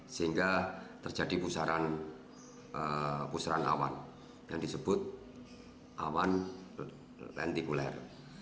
sehingga terjadi pusaran awan yang disebut awan lentikuler